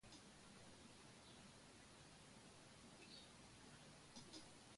Karl petas por laboro kaj engaĝiĝas kiel "teknika laboristo" ĉe grandega vaganta teatro.